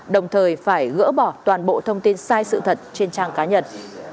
đồng thời phải gỡ bỏ toàn bộ thông tin sai sự thật trên trang cá nhân